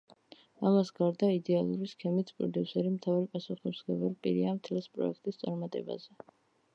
ამას გარდა, იდეალური სქემით, პროდიუსერი მთავარი პასუხისმგებელი პირია მთელი პროექტის წარმატებაზე.